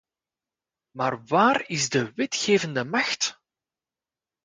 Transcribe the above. Maar waar is de wetgevende macht?